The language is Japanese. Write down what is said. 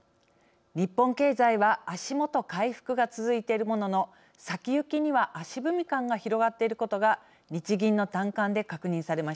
日本経済は足元回復が続いているものの先行きには足踏み感が広がっていることが日銀の短観で確認されました。